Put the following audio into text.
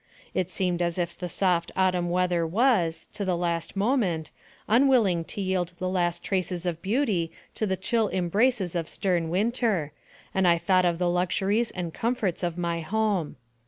It seemed as if the soft autumn weather was, to the last moment, unwilling to yield the last traces of beauty to the chill embraces of stern winter, and I thought of the luxuries and comforts of my home.